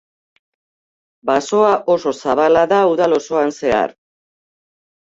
Basoa oso zabala da udal osoan zehar.